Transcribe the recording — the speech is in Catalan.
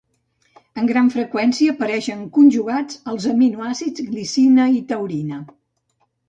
Amb gran freqüència apareixen conjugats als aminoàcids glicina i taurina.